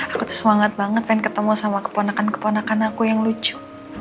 aku tuh semangat banget pengen ketemu sama keponakan keponakan aku yang lucu